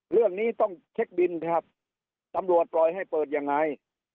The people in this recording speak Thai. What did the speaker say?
เรื่องนี้ต้องเช็คบินครับตำรวจปล่อยให้เปิดยังไง